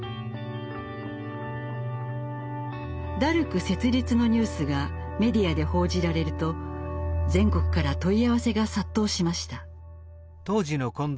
ダルク設立のニュースがメディアで報じられると全国から問い合わせが殺到しました。